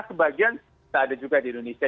sebagian tak ada juga di indonesia